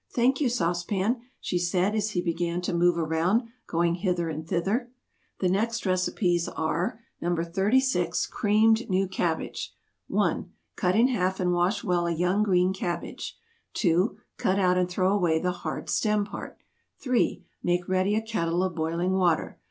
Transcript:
"Thank you, Sauce Pan," she said, as he began to move around, going hither and thither. [Illustration: "Thank you, Sauce Pan."] "The next recipes are NO. 36. CREAMED NEW CABBAGE. 1. Cut in half and wash well a young green cabbage. 2. Cut out and throw away the hard stem part. 3. Make ready a kettle of boiling water.